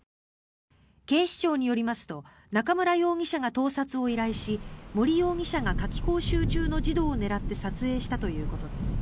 警視庁によりますと中村容疑者が盗撮を依頼し森容疑者が夏期講習中の児童を狙って撮影したということです。